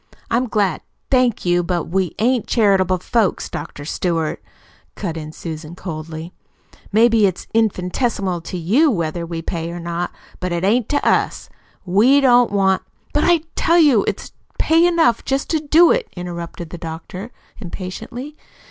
I'm glad " "Thank you, but we ain't charitable folks, Dr. Stewart," cut in Susan coldly. "Maybe it is infinitesimal to you whether we pay or not, but't ain't to us. We don't want " "But I tell you it's pay enough just to do it," interrupted the doctor impatiently.